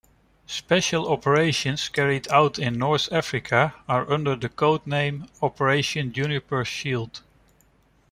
Special operations carried out in North Africa are under the codename: Operation Juniper Shield.